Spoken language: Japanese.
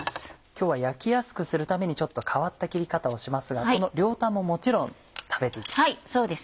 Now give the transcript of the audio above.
今日は焼きやすくするために変わった切り方をしますがこの両端ももちろん食べて行きます。